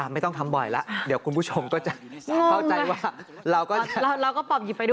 อ่าไม่ต้องทำบ่อยแล้วเดี๋ยวคุณผู้ชมก็จะเข้าใจว่า